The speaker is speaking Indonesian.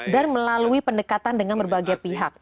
dan melalui pendekatan dengan berbagai pihak